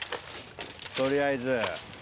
取りあえず。